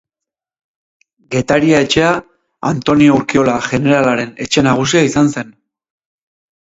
Getaria etxea Antonio Urkiola jeneralaren etxe nagusia izan zen.